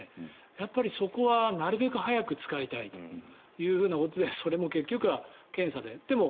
やっぱりそこは、なるべく早く使いたいということでそれも結局は検査で。